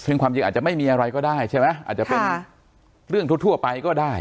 ซึ่งความจริงอาจจะไม่มีอะไรก็ได้ใช่ไหมอาจจะเป็นเรื่องทั่วไปก็ได้